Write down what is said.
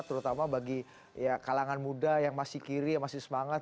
terutama bagi kalangan muda yang masih kiri yang masih semangat